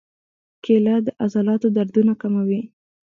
کېله د عضلاتو دردونه کموي.